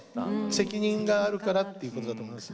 責任があるからっていうことだと思います。